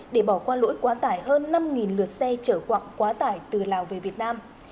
để bỏ qua lỗi quá tải hơn năm lượt xe trở quạng quá tải từ lào về việt nam